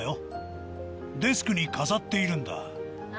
デスクに飾っているんだ。